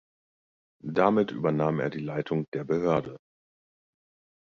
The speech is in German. Damit übernahm er die Leitung der Behörde.